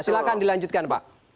silahkan dilanjutkan pak